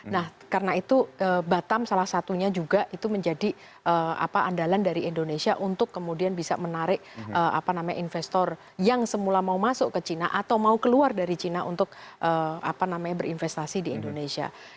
nah karena itu batam salah satunya juga itu menjadi andalan dari indonesia untuk kemudian bisa menarik investor yang semula mau masuk ke china atau mau keluar dari china untuk berinvestasi di indonesia